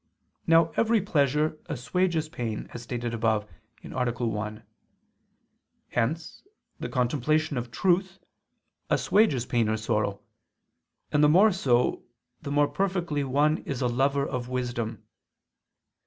Now every pleasure assuages pain as stated above (A. 1): hence the contemplation of truth assuages pain or sorrow, and the more so, the more perfectly one is a lover of wisdom.